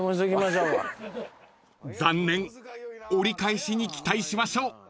［残念折り返しに期待しましょう］